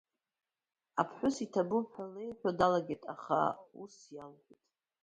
Аԥҳәыс иҭабуп ҳәа леиҳәо далагеит, аха ус иалҳәеит…